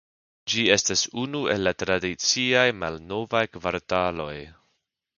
Ĝi estas unu el la tradiciaj malnovaj kvartaloj.